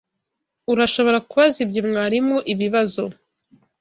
Urashobora kubaza ibyo mwarimu ibibazo.